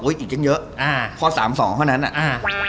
อุ๊ยอีกเย็นเยอะพอ๓๒เท่านั้นอะ